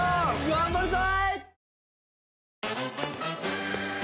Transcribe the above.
頑張るぞ！